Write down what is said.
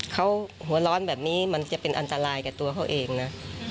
เขาหัวร้อนแบบนี้มันจะเป็นอันตรายกับตัวเขาเองนะ